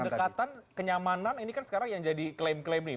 bang hanta kalau bicara kedekatan kenyamanan ini kan sekarang yang jadi klaim klaim nih